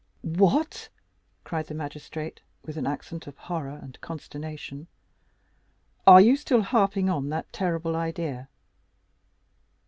"What?" cried the magistrate, with an accent of horror and consternation, "are you still harping on that terrible idea?"